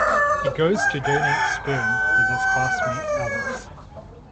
He goes to donate sperm with his classmate Alex.